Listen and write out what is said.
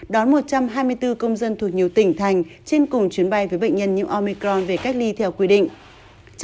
đón một trăm hai mươi bốn công dân thuộc nhiều tỉnh thành trên cùng chuyến bay với bệnh nhân nhiễm omicron về cách ly theo quy định